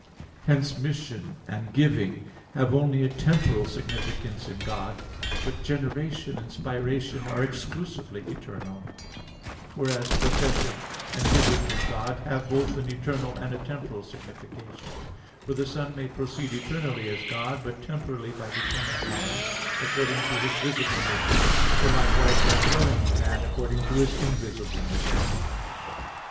Hence "mission" and "giving" have only a temporal significance in God; but "generation" and "spiration" are exclusively eternal; whereas "procession" and "giving," in God, have both an eternal and a temporal signification: for the Son may proceed eternally as God; but temporally, by becoming man, according to His visible mission, or likewise by dwelling in man according to His invisible mission.